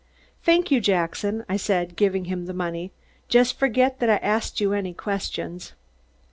"Thank you, Jackson," I said, giving him the money. "Just forget that I asked you any questions!"